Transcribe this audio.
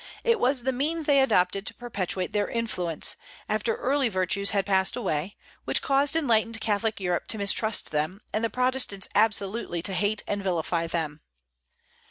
It was the means they adopted to perpetuate their influence, after early virtues had passed away, which caused enlightened Catholic Europe to mistrust them, and the Protestants absolutely to hate and vilify them.